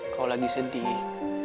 kalo lagi sedih